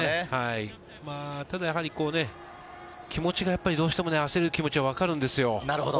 ただやっぱり、どうしても焦る気持ちは分かるんですよ。